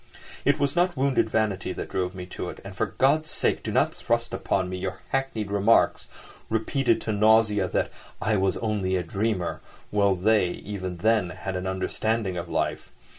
It was not wounded vanity that drove me to it, and for God's sake do not thrust upon me your hackneyed remarks, repeated to nausea, that "I was only a dreamer," while they even then had an understanding of life.